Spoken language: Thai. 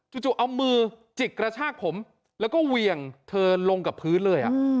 จู่เอามือจิกกระชากผมแล้วก็เหวี่ยงเธอลงกับพื้นเลย